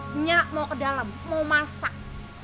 minyak mau ke dalam mau masak